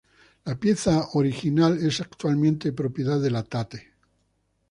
La pieza original es actualmente propiedad de la Tate.